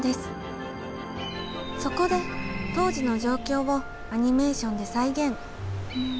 そこで当時の状況をアニメーションで再現！